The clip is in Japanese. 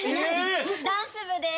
ダンス部です。